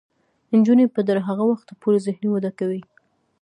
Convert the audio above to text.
نجونې به تر هغه وخته پورې ذهني وده کوي.